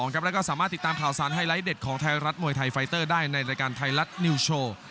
แล้วก็สามารถติดตามข่าวสารไฮไลท์เด็ดของไทยรัฐมวยไทยไฟเตอร์ได้ในรายการไทยรัฐนิวโชว์